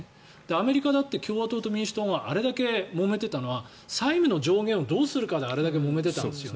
アメリカだって共和党と民主党があれだけもめていたのは債務の上限をどうするかであれだけもめてたんですよ。